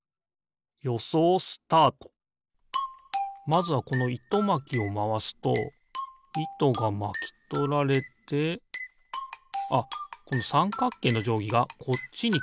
まずはこのいとまきをまわすといとがまきとられてあっこのさんかっけいのじょうぎがこっちにくるのか。